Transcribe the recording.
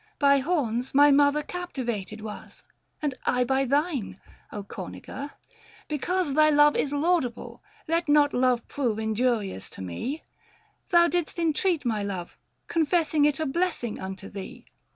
540 By horns my mother captivated was, And I by thine, Corniger ! because Thy love is laudable ; let not love prove Injurious to me ; thou didst intreat my love, Confessing it a blessing unto thee.